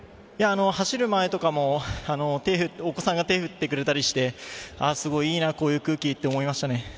走る前とかもお子さんが手振ってくれたりしてすごい、いいな、こういう空気って思いましたね。